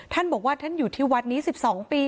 ท่านบอกว่าท่านอยู่ที่วัดนี้๑๒ปี